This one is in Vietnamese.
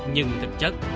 nhưng thực chất